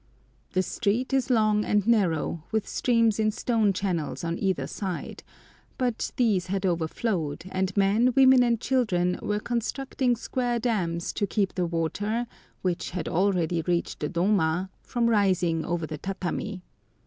The street is long and narrow, with streams in stone channels on either side; but these had overflowed, and men, women, and children were constructing square dams to keep the water, which had already reached the doma, from rising over the tatami.